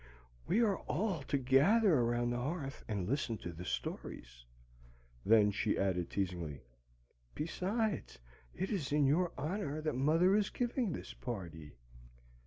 "We are all to gather around the hearth and listen to the stories." Then she added teasingly, "Besides, it is in your honor that mother is giving this party."